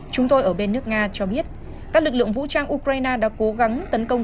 chúng tôi ở bên nước nga cho biết các lực lượng vũ trang ukraine đã cố gắng tấn công